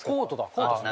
コートですね。